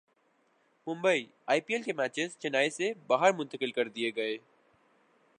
Mumbai I P L کے matches Chennai سے باہر منتقل کر دیئے گئے